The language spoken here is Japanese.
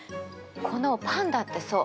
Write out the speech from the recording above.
このパンだってそう。